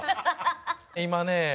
今ね